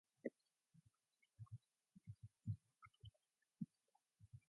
He runs his own radio advertising consultancy, Clark Weber Associates.